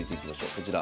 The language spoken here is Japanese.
こちら。